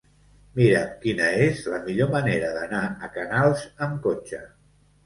Mira'm quina és la millor manera d'anar a Canals amb cotxe.